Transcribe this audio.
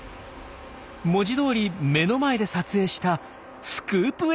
文字どおり目の前で撮影したスクープ映像です！